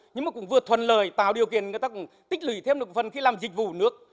nhưng mà cũng vừa thuần lời tạo điều kiện người ta cũng tích lũy thêm được phần khi làm dịch vụ nước